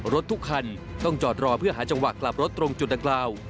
รถทุกคันต้องจอดรอเพื่อหาจังหวะกลับรถตรงจุดดังกล่าว